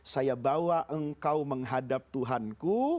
saya bawa engkau menghadap tuhanku